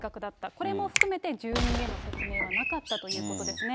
これも含めて住民への説明はなかったということですね。